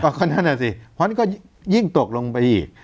เพราะฉะนั้นก็ยิ่งตกลงไปอีก